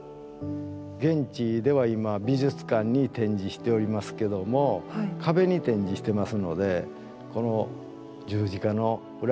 現地では今美術館に展示しておりますけども壁に展示してますので